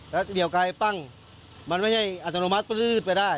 แล้วเดี๋ยวไกลปั้งมันไม่ใช่อัตโนมัติปื๊ดไปได้